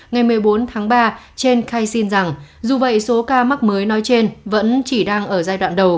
ngày một mươi bốn tháng ba trên khai sinh rằng dù vậy số ca mắc mới nói trên vẫn chỉ đang ở giai đoạn đầu